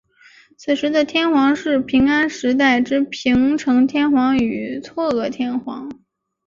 此时的天皇是平安时代之平城天皇与嵯峨天皇。